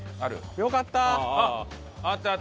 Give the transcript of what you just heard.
よかった！